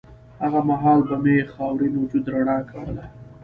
هغه مهال به مې خاورین وجود رڼا کوله